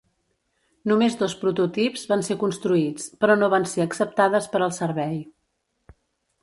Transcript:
Només dos prototips van ser construïts, però no van ser acceptades per al servei.